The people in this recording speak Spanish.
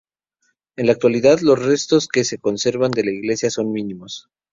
En la actualidad, los restos que se conservan de la iglesia son mínimos.